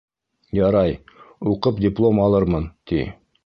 Ярай, уҡып диплом алырмын, ти.